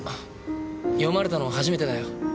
読まれたの初めてだよ。